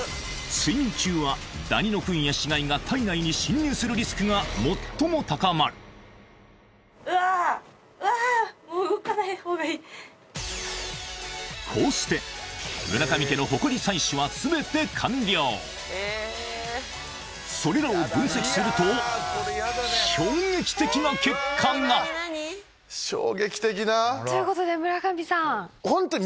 睡眠中はダニのフンや死骸が体内に侵入するリスクが最も高まるこうしてそれらを分析すると衝撃的な⁉ということで村上さん。